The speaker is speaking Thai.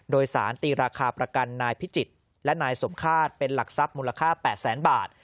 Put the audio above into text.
โดยสารตีราคาประกันนายพิจิตรและนายสมฆาตเป็นหลักทรัพย์มูลค่า๘แสนบาท